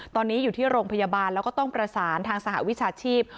ตอนนี้อยู่ที่โรงพยาบาลแล้วก็ต้องประสานทางสหวิชาชีพ